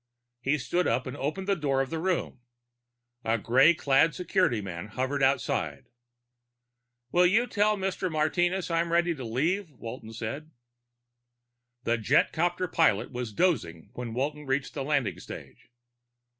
He stood up and opened the door of the room. A gray clad security man hovered outside. "Will you tell Mr. Martinez I'm ready to leave?" Walton said. The jetcopter pilot was dozing when Walton reached the landing stage.